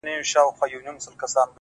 دي روح کي اغښل سوی دومره؛